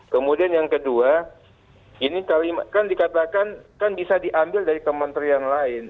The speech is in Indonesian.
kemudian yang kedua ini kan dikatakan kan bisa diambil dari kementerian lain